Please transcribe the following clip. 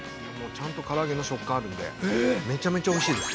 ◆ちゃんとから揚げの食感があるので、めちゃめちゃおいしいです。